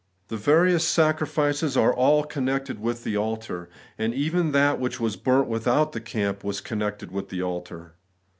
The various sacrifices are all connected with the altar ; and even that which was ' burnt without the camp' was connected with the altar.